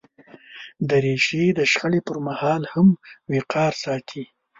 دریشي د شخړې پر مهال هم وقار ساتي.